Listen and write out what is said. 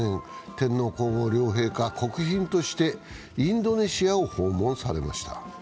天皇皇后両陛下は国賓としてインドネシアを訪問されました。